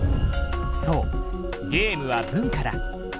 そうゲームは文化だ！